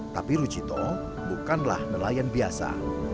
tapi rujito bukanlah nelayan biasa